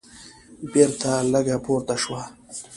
بېرته لږه پورته شوه.